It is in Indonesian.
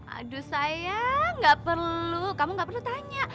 aduh sayang gak perlu kamu gak perlu tanya